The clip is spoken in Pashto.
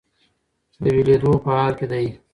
د ویلیدو په حال کې دی.